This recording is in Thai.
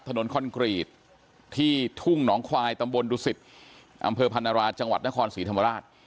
คอนกรีตที่ทุ่งหนองควายตำบลดุสิตอำเภอพันราจังหวัดนครศรีธรรมราช